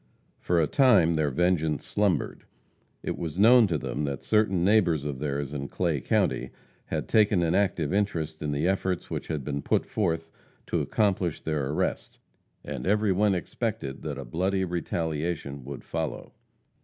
For a time their vengeance slumbered. It was known to them that certain neighbors of theirs in Clay county had taken an active interest in the efforts which had been put forth to accomplish their arrest, and every one expected that a bloody retaliation would follow.